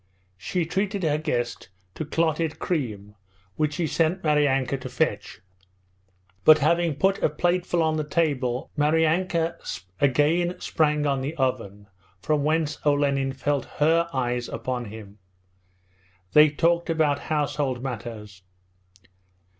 She treated her guest to clotted cream which she sent Maryanka to fetch. But having put a plateful on the table Maryanka again sprang on the oven from whence Olenin felt her eyes upon him. They talked about household matters.